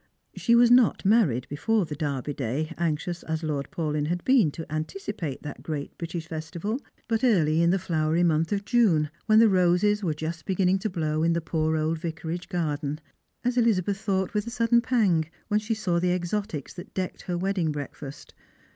She was not married before the Derby day, anxious as Lord Paulyn had been to anticipate that great British festival, but early in the flowery mouth of June, when the roses were just beginning to blow in the poor old A''icarage garden — as Ehzabeth Strangers and Pilgrims. 265 thought with a sudden pang when she saw the exotics that decked her wedding breakfast.